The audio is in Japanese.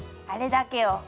あれだけよ